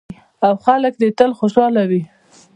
او خلک دې یې تل خوشحاله وي.